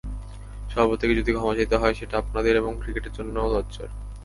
সভাপতিকে যদি ক্ষমা চাইতে হয়, সেটা আপনাদের এবং ক্রিকেটের জন্যও লজ্জার।